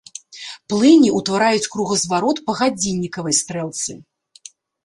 Плыні ўтвараюць кругазварот па гадзіннікавай стрэлцы.